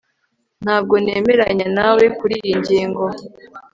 ntabwo nemeranya nawe kuriyi ngingo